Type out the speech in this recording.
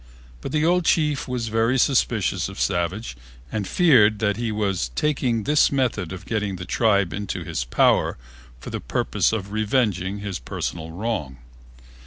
But the old chief was very suspicious of Savage and feared that he was taking this method of getting the tribe into his power for the purpose of revenging his personal wrong.